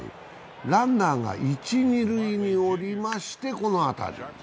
ランナーが一・二塁におりましてこの当たり。